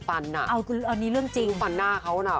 รู้ฟันหน้าเขาน่ะ